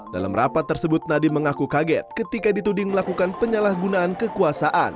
dalam rapat tersebut nadiem mengaku kaget ketika dituding melakukan penyalahgunaan kekuasaan